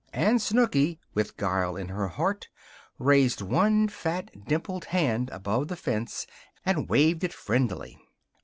And Snooky, with guile in her heart, raised one fat, dimpled hand above the fence and waved it friendlily.